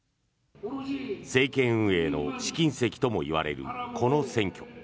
政権運営の試金石ともいわれるこの選挙。